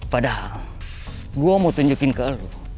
padahal gue mau tunjukin ke lu